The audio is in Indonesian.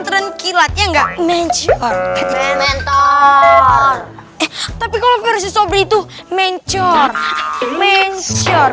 terang kilat ya enggak mencol mentol tapi kalau versi sobr itu mencol mencol